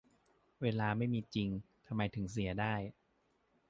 เวลาไม่มีจริง ทำไมถึงเสียได้